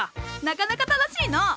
なかなか楽しいのう！